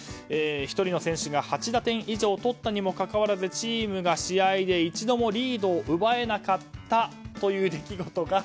１人の選手が８打点とったにもかかわらずチームが試合で一度もリードを奪えなかったという出来事が。